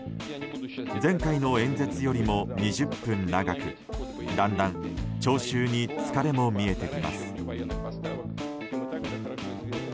前回の演説よりも２０分長くだんだん聴衆に疲れも見えてきます。